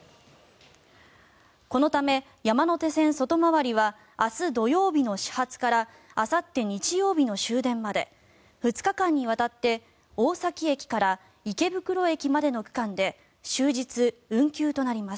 このため、山手線外回りは明日土曜日の始発からあさって日曜日の終電まで２日間にわたって大崎駅から池袋駅までの区間で終日運休となります。